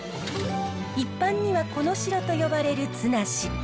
一般にはコノシロと呼ばれるツナシ。